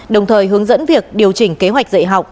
đồng thời hướng dẫn việc điều chỉnh kế hoạch dạy học